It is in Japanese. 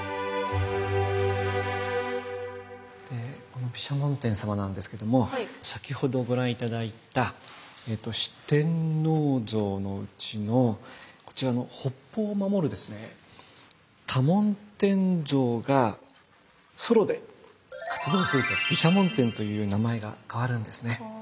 この毘沙門天様なんですけども先ほどご覧頂いた四天王像のうちのこちらの北方を守るですね多聞天像がソロで活動すると毘沙門天というように名前が変わるんですね。